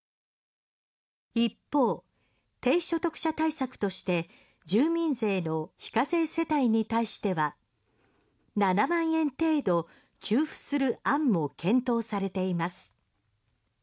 一方、低所得者対策として住民税の非課税世帯に対しては７万円程度給付する案も検討されています。